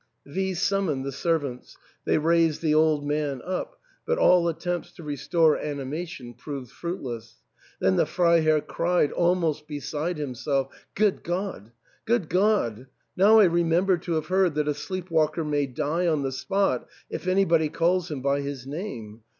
V summoned the servants ; they raised the old man up ; but all attempts to restore animation proved fruitless. Then the Frei herr cried, almost beside himself, " Good God ! Good God ! Now I remember to have heard that a sleep walker may die on the spot if anybody calls him by his name.